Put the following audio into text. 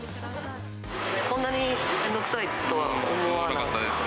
こんなにめんどくさいとは思わなかったですね。